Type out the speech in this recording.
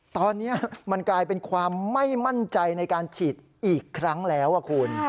ตอนนี้มันกลายเป็นความไม่มั่นใจในการฉีดอีกครั้งแล้วคุณ